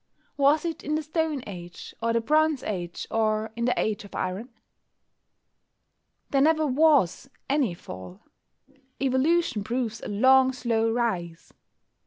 Was it in the Stone Age, or the Bronze Age, or in the Age of Iron? There never was any "Fall." Evolution proves a long slow rise.